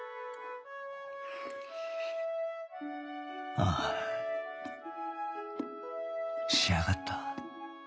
ああ仕上がった